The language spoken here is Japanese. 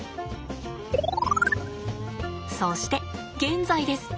そして現在です。